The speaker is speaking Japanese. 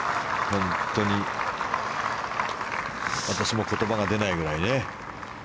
本当に私も言葉が出ないくらいね。